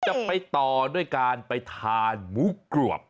จะไปต่อด้วยการไปทานหมูกรวบ